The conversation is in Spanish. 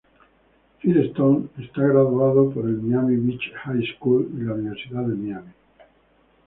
Firestone es graduado por el Miami Beach High School y la Universidad de Miami.